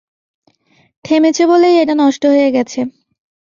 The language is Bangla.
থেমেছে বলেই এটা নষ্ট হয়ে গেছে।